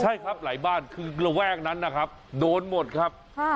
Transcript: ใช่ครับหลายบ้านคือเรื่องนั้นน่ะครับ